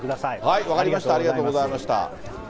はい、分かりました、ありがとうございました。